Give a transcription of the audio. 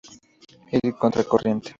Ir contracorriente.